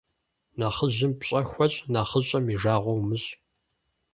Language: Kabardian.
Нэхъыжьым пщӀэ хуэщӀ, нэхъыщӀэм и жагъуэ умыщӀ.